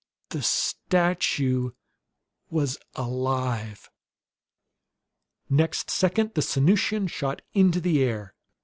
The statue was alive! Next second the Sanusian shot into the air.